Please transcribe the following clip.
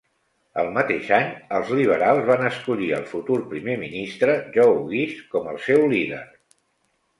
El mateix any, els liberals van escollir al futur primer ministre Joe Ghiz com el seu líder.